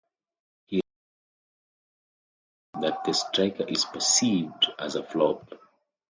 He remains incredulous that the striker is perceived as a flop.